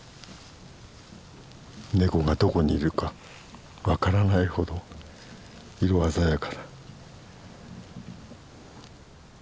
ネコがどこにいるか分からないほど色鮮やかだ。